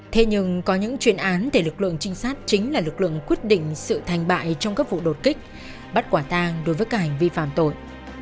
thế nhưng có những chuyên án để lực lượng trinh sát chính là lực lượng quyết định sự thành bại trong các vụ đột kích bắt quả tang đối với cả hành vi phạm tội